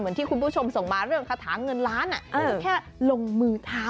เหมือนที่คุณผู้ชมส่งมาเรื่องคาถาเงินล้านอะไม่ได้แค่ลงมือทำ